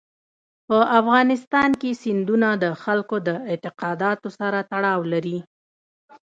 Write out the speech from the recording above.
په افغانستان کې سیندونه د خلکو د اعتقاداتو سره تړاو لري.